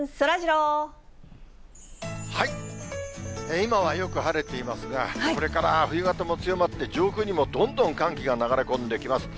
今はよく晴れていますが、これから冬型も強まって、上空にもどんどん寒気が流れ込んできます。